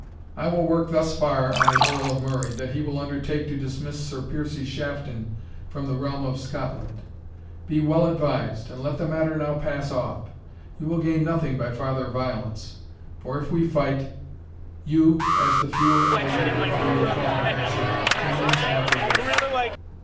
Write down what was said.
I will work thus far on the Earl of Murray, that he will undertake to dismiss Sir Piercie Shafton from the realm of Scotland. Be well advised, and let the matter now pass off you will gain nothing by farther violence, for if we fight, you as the fewer and the weaker through your former action, will needs have the worse."